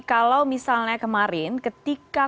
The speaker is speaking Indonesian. kalau misalnya kemarin ketika